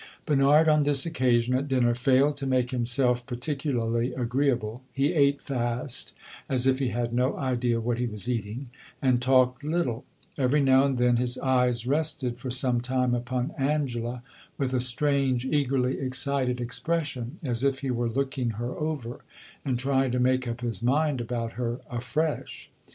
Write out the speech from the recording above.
Bernard, on this occasion, at dinner, failed to make himself particularly agreeable; he ate fast as if he had no idea what he was eating, and talked little; every now and then his eyes rested for some time upon Angela, with a strange, eagerly excited expression, as if he were looking her over and trying to make up his mind about her afresh.